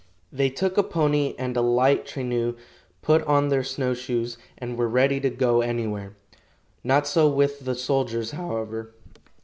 They took a pony and a light traineau, put on their snowshoes, and were ready to go anywhere. Not so with the soldiers, however.